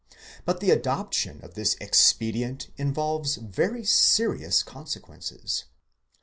But the adoption of this expedient involves very serious consequences.